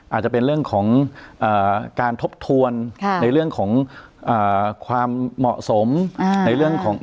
อาจจะเป็นเรื่องของการทบทวนในเรื่องของความเหมาะสม